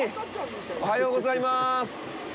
おはようございます。